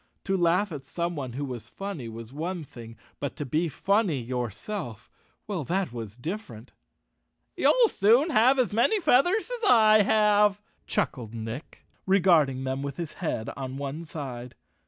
To laugh at someone who was funny was one thing, but to be funny yourself— well, that was different! "You'll soon have as many feathers as I have," chuckled Nick, regarding them with his head on one side.